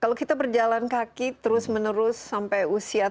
kalau kita berjalan kaki terus menerus sampai usia tua bisa berjalan kaki